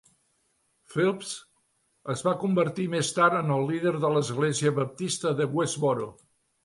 Phelps es va convertir més tard en el líder de l'església baptista de Westboro.